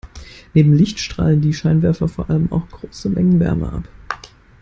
Neben Licht strahlen die Scheinwerfer vor allem auch große Mengen Wärme ab.